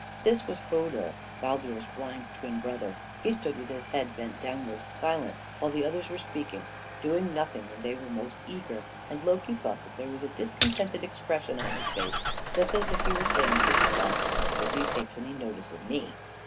This was Hödur, Baldur's blind twin brother; he stood with his head bent downwards, silent while the others were speaking, doing nothing when they were most eager; and Loki thought that there was a discontented expression on his face, just as if he were saying to himself, "Nobody takes any notice of me."